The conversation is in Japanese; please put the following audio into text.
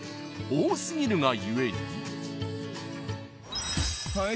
多すぎるが故に］